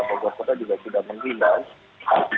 bogor kota juga sudah menghindar